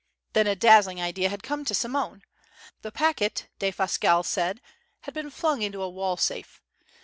Then a dazzling idea had come to Simone. The packet, Defasquelle said, had been flung into a wall safe.